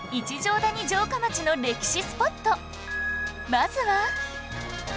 まずは